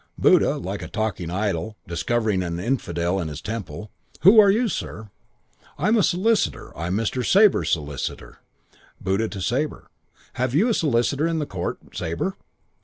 "Buddha, like a talking idol discovering an infidel in his temple, 'Who are you, sir?' "'I'm a solicitor. I'm Mr. Sabre's solicitor.' "Buddha to Sabre: 'Have you a solicitor in the court, Sabre?'